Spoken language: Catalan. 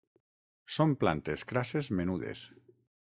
Són plantes crasses menudes.